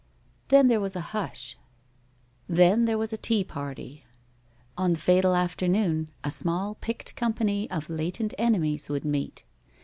Then there was a hush. Then there was a tea party. On the fatal afternoon a small picked company of latent enemies would meet.